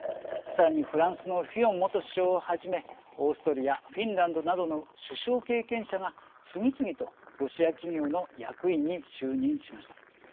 さらに、フランスのフィヨン元首相をはじめオーストリアフィンランドなどの首相経験者が次々とロシア企業の役員に就任しました。